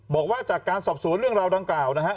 บอกว่าจากการสอบสวนเรื่องราวดังกล่าวนะฮะ